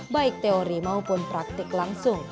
baik teori maupun praktik langsung